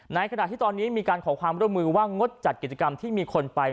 ในขณะที่ตอนนี้มีการขอความร่วมมือว่างดจัดกิจกรรมที่มีคนไป